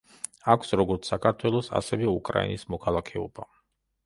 აქვს როგორც საქართველოს, ასევე უკრაინის მოქალაქეობა.